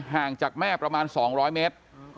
ห่างจากแม่ประมาณ๒๐๐เมตร